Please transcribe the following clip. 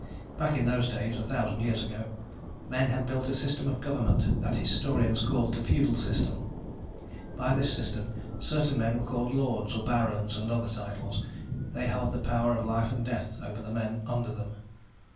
Back in those days, a thousand years ago, men had built a system of government that historians called the feudal system. By this system certain men were called lords or barons and other titles. They held the power of life and death over the men "under" them.